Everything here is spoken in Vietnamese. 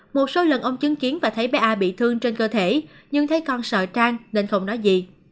một số lần ông chứng kiến và thấy bé a bị thương trên cơ thể nhưng thấy con sợ trang nên không nói gì